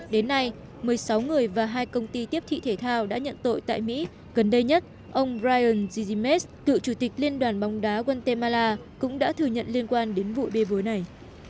đến nay một mươi sáu người và hai công ty tiếp thị thể thao đã nhận tội tại mỹ gần đây nhất ông brian zizymes cựu chủ tịch liên đoàn bóng đá guatemala cũng đã thừa nhận liên quan đến vụ bê bối này